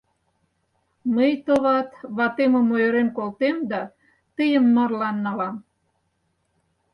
Мый, товат, ватемым ойырен колтем да тыйым марлан налам!